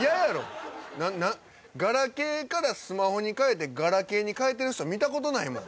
ななガラケーからスマホに替えてガラケーに替えてる人見たことないもん。